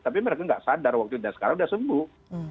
tapi mereka nggak sadar waktu itu sekarang sudah sembuh